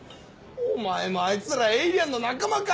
お前もあいつらエイリアンの仲間か！